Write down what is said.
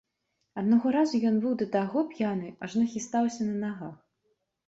Аднаго разу ён быў да таго п'яны, ажно хістаўся на нагах.